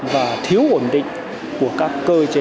và thiếu ổn định của các doanh nghiệp